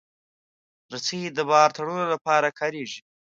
رسۍ د بار تړلو لپاره کارېږي.